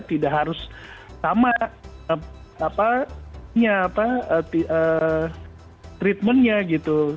tidak harus sama treatmentnya gitu